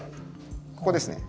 ここですね。